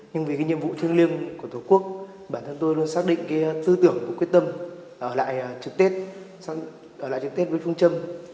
nhưng vì cái nhiệm vụ thiêng liêng của tổ quốc bản thân tôi luôn xác định cái tư tưởng của quyết tâm ở lại trực tết ở lại trực tết với phương châm